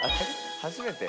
初めて？